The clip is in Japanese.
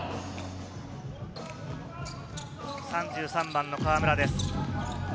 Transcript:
３３番・河村です。